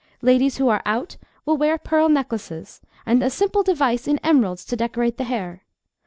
Ladies who are 'out' will wear pearl necklaces, and a simple device in emeralds to decorate the hair.